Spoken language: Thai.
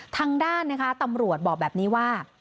ทางด้านนะคะตำรวจบอกแบบนี้ว่า